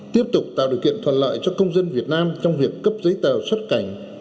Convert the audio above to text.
tiếp tục tạo điều kiện thuận lợi cho công dân việt nam trong việc cấp giấy tờ xuất cảnh